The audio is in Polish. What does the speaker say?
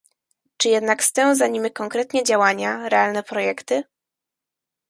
Czy jednak stoją za nimi konkretne działania, realne projekty?